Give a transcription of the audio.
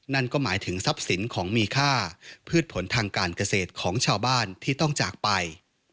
นั่นก็หมายถึงทรัพย์สินของมีค่าพืชผลทางการเกษตรของชาวบ้านที่ต้องจากไป